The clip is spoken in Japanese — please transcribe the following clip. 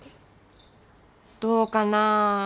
どうかなぁ。